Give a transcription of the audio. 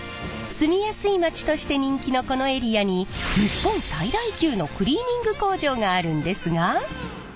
住みやすい町として人気のこのエリアに日本最大級のクリーニング工場があるんですが。